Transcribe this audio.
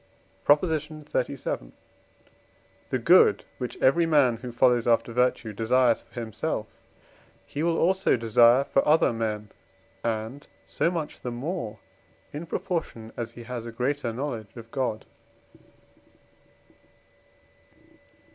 PROP. XXXVII. The good which every man, who follows after virtue, desires for himself he will also desire for other men, and so much the more, in proportion as he has a greater knowledge of God.